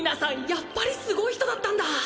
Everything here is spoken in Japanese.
やっぱりすごい人だったんだ